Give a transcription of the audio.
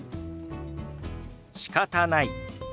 「しかたない」。